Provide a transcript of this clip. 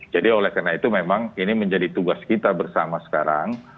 jadi oleh karena itu memang ini menjadi tugas kita bersama sekarang